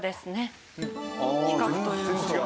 比較という事で。